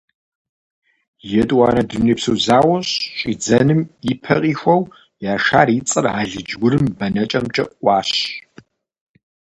ЕтӀуанэ дунейпсо зауэм щӀидзэным и пэ къихуэу Яшар и цӀэр алыдж-урым бэнэкӀэмкӀэ Ӏуащ.